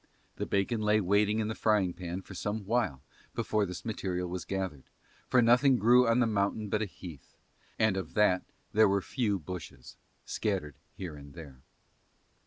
The bacon lay waiting in the frying pan for some while before this material was gathered, for nothing grew on the mountain but a heath; and of that there were few bushes, scattered here and there.